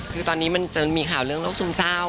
คือตอนนี้มันจะมีข่าวเรื่องโรคซึมเศร้า